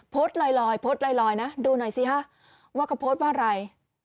โพสต์ลอยดูหน่อยซิว่าเขาโพสต์ว่าอะไร